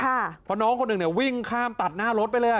เพราะน้องคนหนึ่งเนี่ยวิ่งข้ามตัดหน้ารถไปเลยอ่ะ